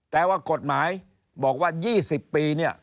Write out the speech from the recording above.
แต่ว่ากฎหมายบอกว่า๒๐ปีเนี่ย